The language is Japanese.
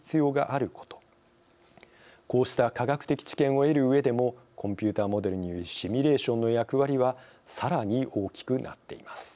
こうした科学的知見を得るうえでもコンピューターモデルによるシミュレーションの役割はさらに大きくなっています。